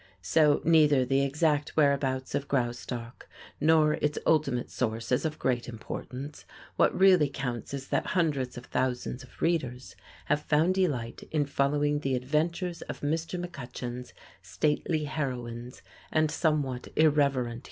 So neither the exact whereabouts of Graustark nor its ultimate source is of great importance. What really counts is that hundreds of thousands of readers have found delight in following the adventures of Mr. McCutcheon's stately heroines and somewhat irreverent heroes.